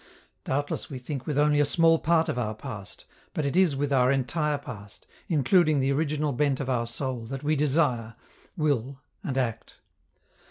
Doubtless we think with only a small part of our past, but it is with our entire past, including the original bent of our soul, that we desire, will and act.